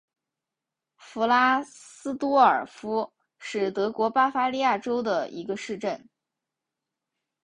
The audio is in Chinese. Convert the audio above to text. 弗拉斯多尔夫是德国巴伐利亚州的一个市镇。